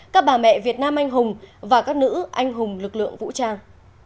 các bà mẹ việt nam anh hùng và các nữ anh hùng lực lượng vũ trang